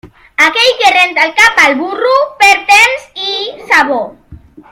Aquell que renta el cap al burro perd temps i sabó.